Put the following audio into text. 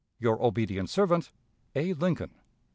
"Your obedient servant, A. Lincoln."